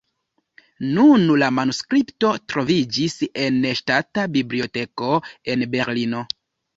Nun la manuskripto troviĝis en Ŝtata Biblioteko en Berlino.